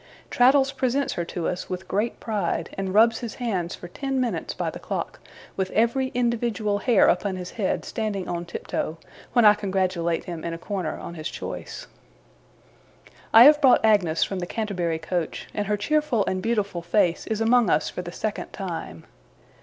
Traddles presents her to us with great pride; and rubs his hands for ten minutes by the clock, with every individual hair upon his head standing on tiptoe, when I congratulate him in a corner on his choice. I have brought Agnes from the Canterbury coach, and her cheerful and beautiful face is among us for the second time.